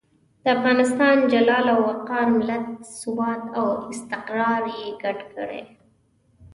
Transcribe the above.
د افغانستان جلال او وقار، ملت ثبات او استقرار یې ګډ کړي.